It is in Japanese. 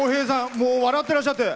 もう笑ってらっしゃって。